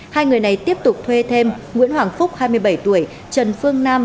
hai người này tiếp tục thuê thêm nguyễn hoàng phúc hai mươi bảy tuổi trần phương nam